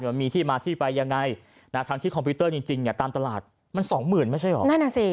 มันมีที่มาที่ไปยังไงทั้งที่คอมพิวเตอร์จริงตามตลาดมัน๒หมื่นไม่ใช่หรอ